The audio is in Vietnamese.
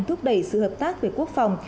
thúc đẩy sự hợp tác về quốc phòng